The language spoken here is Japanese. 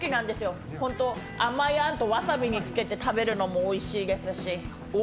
甘いあんとわさびにつけて出すのもおいしいですし。